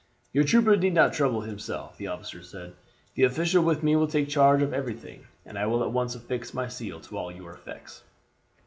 "'Your trooper need not trouble himself,' the officer said; 'the official with me will take charge of everything, and will at once affix my seal to all your effects.'